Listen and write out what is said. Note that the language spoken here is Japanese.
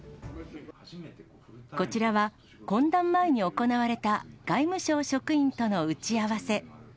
こちらは、懇談前に行われた外務省職員との打ち合わせ。